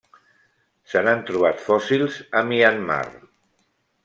Se n'han trobat fòssils a Myanmar.